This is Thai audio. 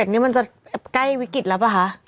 ๓๗นี้มันจะใกล้วิกฤตแล้วหรือเปล่าฮะ